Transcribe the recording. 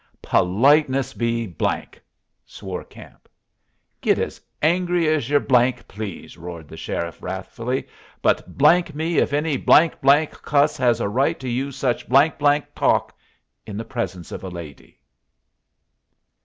"Politeness be !" swore Camp. "Git as angry as yer please," roared the sheriff, wrathfully, "but me if any cuss has a right to use such talk in the presence of a lady!"